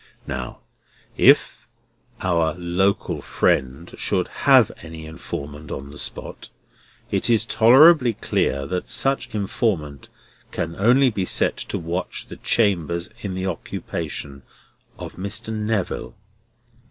Now, if our local friend should have any informant on the spot, it is tolerably clear that such informant can only be set to watch the chambers in the occupation of Mr. Neville.